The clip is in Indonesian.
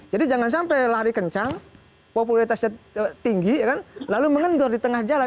jadi jangan sampai lari kencang populeritasnya tinggi lalu mengendor di tengah jalan